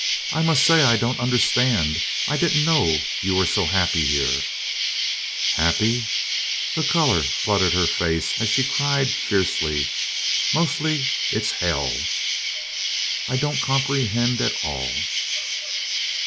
"I must say I don't understand. I didn't know that you were so happy here " "Happy!" The color flooded her face as she cried fiercely, "Mostly it's hell!" "I don't comprehend at all."